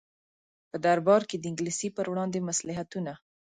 په دربار کې د انګلیس پر وړاندې مصلحتونه.